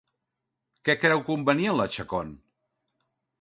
Que creu convenient la Chacón?